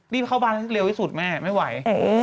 รีบเข้าบ้านให้เร็วที่สุดแม่ไม่ไหว